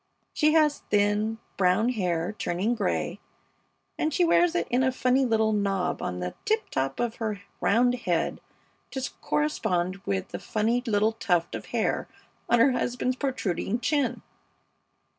She has thin, brown hair turning gray, and she wears it in a funny little knob on the tip top of her round head to correspond with the funny little tuft of hair on her husband's protruding chin.